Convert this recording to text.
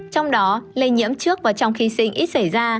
trong đó lây nhiễm trước và trong khi sinh ít xảy ra